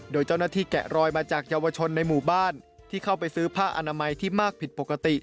โดยเจ้าหน้าที่แกะรอยมาจากเยาวชนในหมู่บ้านที่เข้าไปซื้อผ้าอนามัยที่มากผิดปกติ